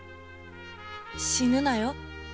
死ぬなよ。